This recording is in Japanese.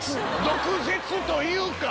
毒舌というか。